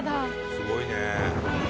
すごいね。